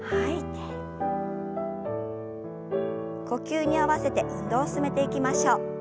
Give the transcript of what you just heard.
呼吸に合わせて運動を進めていきましょう。